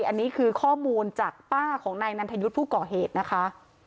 อันนี้คือข้อมูลจากป้าของนายนันทยุทธ์ผู้ก่อเหตุนะคะ